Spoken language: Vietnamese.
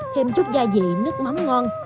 thêm chút gia vị nước mắm ngon